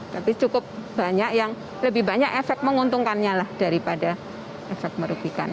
tapi cukup banyak yang lebih banyak efek menguntungkannya lah daripada efek merugikan